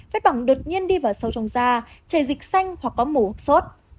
vết bỏng đột nhiên đi vào sâu trong da chảy dịch xanh hoặc có mủ hoặc sốt